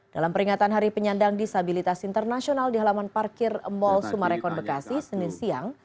dalam peringatan hari penyandang disabilitas internasional di halaman parkir mall sumarekon bekasi senin siang